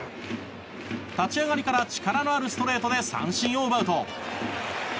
立ち上がりから力のあるストレートで三振を奪うと。